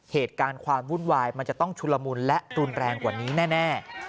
เหตุการณ์ความวุ่นวายมันจะต้องชุลมุนและรุนแรงกว่านี้แน่